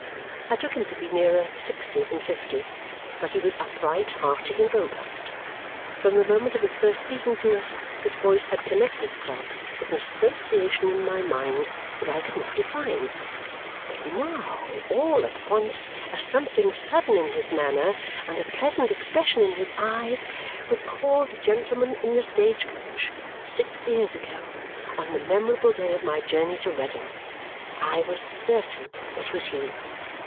I took him to be nearer sixty than fifty, but he was upright, hearty, and robust. From the moment of his first speaking to us his voice had connected itself with an association in my mind that I could not define; but now, all at once, a something sudden in his manner and a pleasant expression in his eyes recalled the gentleman in the stagecoach six years ago on the memorable day of my journey to Reading. I was certain it was he.